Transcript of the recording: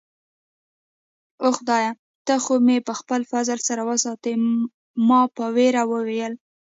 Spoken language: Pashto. اوه، خدایه، ته خو مې په خپل فضل سره وساتې. ما په ویره وویل.